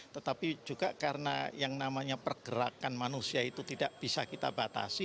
tetapi juga karena yang namanya pergerakan manusia itu tidak bisa kita batasi